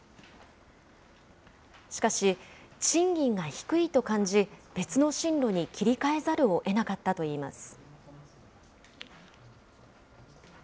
しかし、賃金が低いと感じ、別の進路に切り替えざるをえなかったといいます。